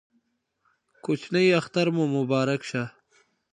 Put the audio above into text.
کوچینۍ اختر مو مبارک شه